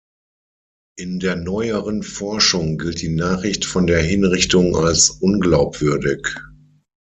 In der neueren Forschung gilt die Nachricht von der Hinrichtung als unglaubwürdig.